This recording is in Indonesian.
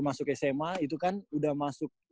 masuk sma itu kan udah masuk